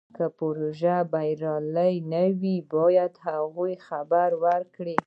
که پروژه بریالۍ نه وي باید هغوی خبر کړي.